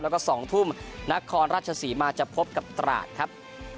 แล้วก็๒ทุ่มนครราชศรีมาจะพบกับตราดครับ